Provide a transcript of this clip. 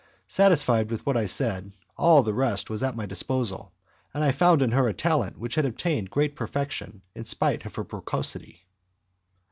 Satisfied with what I said, all the rest was at my disposal, and I found in her a talent which had attained great perfection in spite of her precocity.